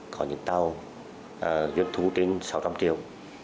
có những tàu dân thú đến sáu trăm linh triệu